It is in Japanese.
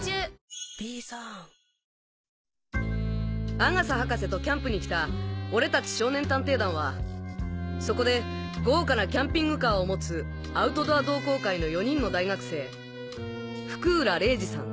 阿笠博士とキャンプに来た俺達少年探偵団はそこで豪華なキャンピングカーを持つアウトドア同好会の４人の大学生福浦玲治さん